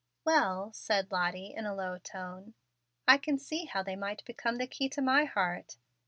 "Well," said Lottie, in a low tone, "I can see how they might become the key to my heart.